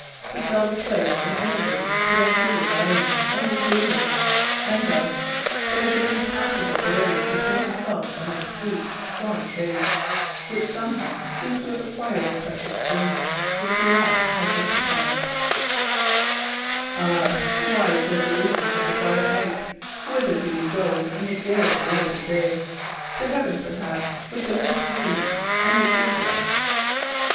He would sell the place and emigrate to Vancouver's Island or New Zealand, and thus place an impassable barrier between himself and that sweet, strong face, which seemed to have acquired a touch of sternness since last he looked upon it five years ago. Ah, wise resolutions of the quiet night, whither do you go in the garish light of day? To heaven, perhaps, with the mist wreaths and the dew drops.